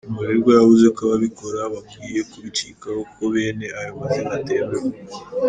Murerwa yavuze ko ababikora bakwiye kubicikaho kuko bene ayo mazina atemewe.